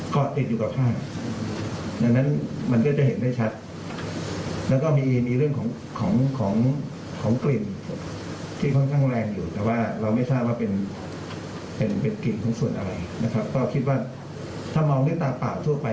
ก็คิดว่าถ้ามองด้วยตาเปล่าทั่วไป